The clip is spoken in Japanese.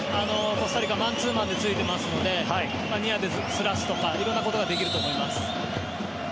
コスタリカ、マンツーマンでついていますのでニアでずらすとか色んなことができると思います。